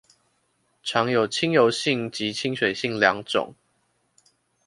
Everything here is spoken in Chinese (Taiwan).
常有親油性及親水性兩種